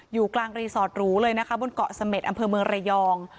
อยู่กลางรีสอร์ตหรูเลยนะคะบนเกาะเสม็ดอำเภอเมืองระยอง